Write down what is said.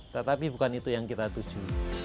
tetapi bukan itu yang kita tuju